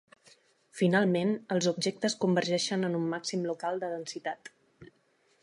Finalment, els objectes convergeixen en un màxim local de densitat.